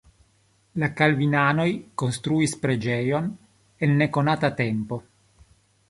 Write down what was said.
La kalvinanoj konstruis preĝejon en nekonata tempo.